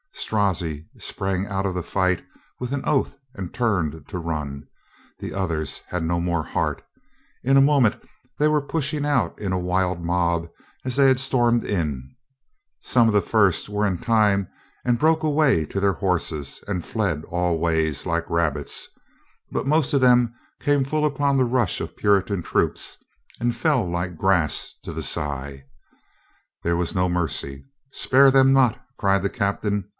Strozzi sprang out of the fight with an oath and turned to run. The others had no more heart. In a moment they were pushing out in a wild mob as they had stormed in. Some of the first were in time and broke away to their horses and fled all ways, like rabbits, but the most of them came full upon the rush of Puritan troopers and fell like grass to the scythe. There was no mercy. "Spare them not!" cried the captain.